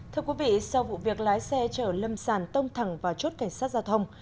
thưa quý vị sau vụ việc lái xe chở lâm sàn tông thẳng vào chốt cảnh sát giao thông